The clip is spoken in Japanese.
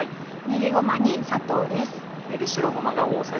練りごまに砂糖です。